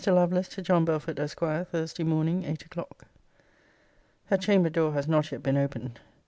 LOVELACE, TO JOHN BELFORD, ESQ. THURSDAY MORNING, EIGHT O'CLOCK. Her chamber door has not yet been opened.